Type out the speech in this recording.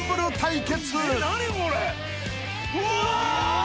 うわ！